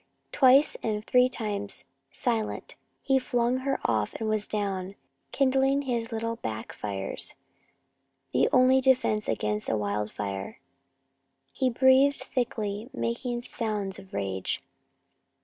Twice and three times, silent, he flung her off and was down, kindling his little back fires the only defense against a wildfire. He breathed thickly, making sounds of rage.